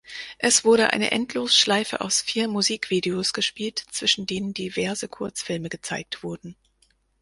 Es wurde eine Endlosschleife aus vier Musikvideos gespielt, zwischen denen diverse Kurzfilme gezeigt wurden.